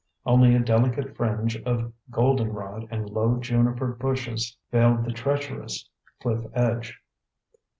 Only a delicate fringe of goldenrod and low juniper bushes veiled the treacherous cliff edge.